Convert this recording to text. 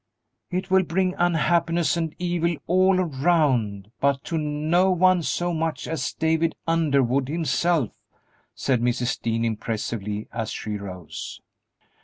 "It will bring unhappiness and evil all around, but to no one so much as David Underwood himself," said Mrs. Dean, impressively, as she rose.